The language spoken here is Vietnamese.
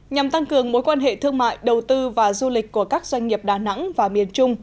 nhằm tăng cường mối quan hệ thương mại đầu tư và du lịch của các doanh nghiệp đà nẵng và miền trung